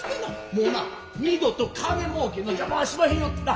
もうな二度と金もうけの邪魔はしまへんよってな。